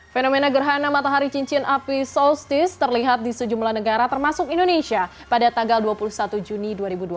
fenomena gerhana matahari cincin api solstice terlihat di sejumlah negara termasuk indonesia pada tanggal dua puluh satu juni dua ribu dua puluh